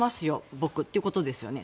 僕ということですよね。